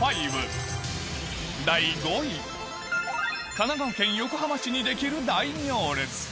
神奈川県横浜市にできる大行列